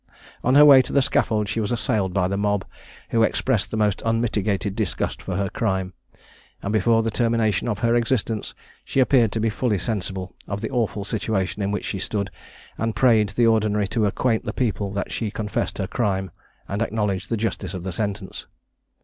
On her way to the scaffold she was assailed by the mob, who expressed the most unmitigated disgust for her crime; and, before the termination of her existence, she appeared to be fully sensible of the awful situation in which she stood, and prayed the ordinary to acquaint the people that she confessed her crime, and acknowledged the justice of her sentence.